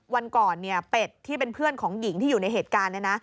วันก่อนเนี่ยเป็ดที่เป็นเพื่อนของหญิงที่อยู่ในเหตุการณ์เนี่ยนะ